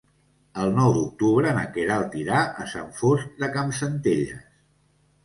El nou d'octubre na Queralt irà a Sant Fost de Campsentelles.